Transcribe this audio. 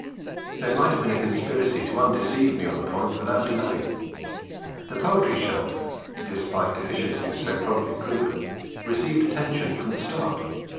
There might have been a conspiracy to undeceive me on the point without delay. The Poetry Shelf (despite deficiencies so promptly proven) received attention from the start.